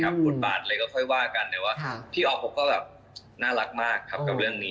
บทบาทเลยก็ค่อยว่ากันแต่ว่าพี่อ๊อคผมก็น่ารักมากกับเรื่องนี้